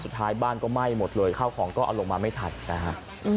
สุดท้ายบ้านก็ไหม้หมดเลยข้าวของก็เอาลงมาไม่ทันนะฮะ